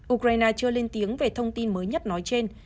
ukraine chưa lên tiếng về thông tin mới nhất nói trên